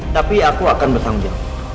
tapi aku akan bersama dia